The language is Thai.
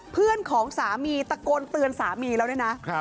เพื่อนของสามีตะโกนเตือนสามีแล้วด้วยนะ